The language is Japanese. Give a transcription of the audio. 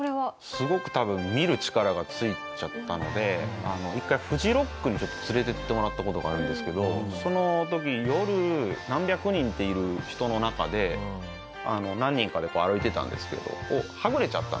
すごく多分見る力がついちゃったので一回ＦＵＪＩＲＯＣＫに連れて行ってもらった事があるんですけどその時夜何百人っている人の中で何人かで歩いてたんですけどはぐれちゃったんですよね。